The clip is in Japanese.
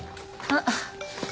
あっ。